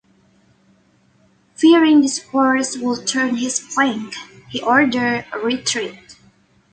Fearing this force would turn his flank, he ordered a retreat.